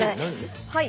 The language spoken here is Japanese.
はい。